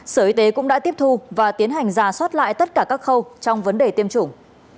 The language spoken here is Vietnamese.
sở y tế cũng đã tiếp thu và tiến hành giả soát lại tất cả các khâu trong vấn đề tiêm chủng